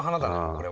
これは。